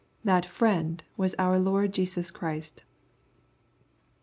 That Friend was our Lord Jesus Christ.